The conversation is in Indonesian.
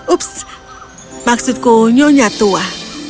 ups maksudku nyonya tua